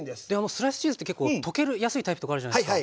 スライスチーズって結構溶けやすいタイプとかあるじゃないですか。